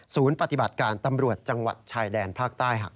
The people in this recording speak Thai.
ปฏิบัติการตำรวจจังหวัดชายแดนภาคใต้